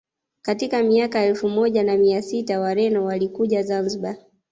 Katika miaka ya elfu moja na mia sita Wareno walikuja Zanzibar